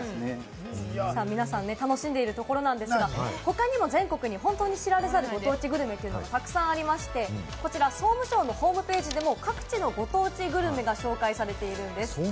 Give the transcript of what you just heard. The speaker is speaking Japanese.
皆さん楽しんでいるところなんですが、他にも全国に本当に知られざるご当地グルメがたくさんありまして、こちら総務省のホームページでも各地のご当地グルメが紹介されているんです。